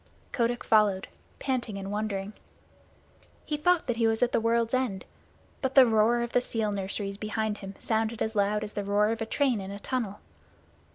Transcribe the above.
Kotick followed, panting and wondering. He thought that he was at the world's end, but the roar of the seal nurseries behind him sounded as loud as the roar of a train in a tunnel.